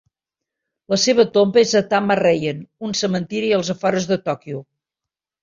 La seva tomba és a Tama Reien, un cementiri als afores de Tòquio.